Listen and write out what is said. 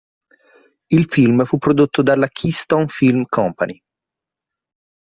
Il film fu prodotto dalla Keystone Film Company.